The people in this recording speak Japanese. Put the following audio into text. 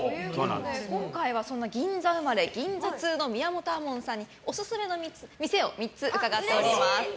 今回は銀座生まれ銀座ツウの亞門さんにオススメの店を３つ伺っております。